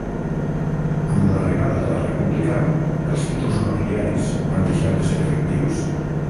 Amb l'arribada de la república, els títols nobiliaris van deixar de ser efectius.